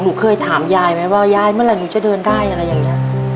หนูเคยถามยายไหมว่ายายเมื่อไหร่หนูจะเดินได้อะไรอย่างนี้